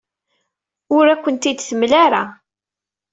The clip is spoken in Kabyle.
Ur akent-t-id-temla ara.